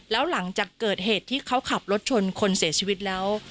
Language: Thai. แล้วหลังจากเกิดเหตุที่เขาขับรถชนคนเสียชีวิตแล้ว